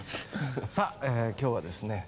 さあ今日はですね